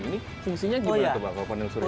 ini fungsinya gimana pak pak panel surya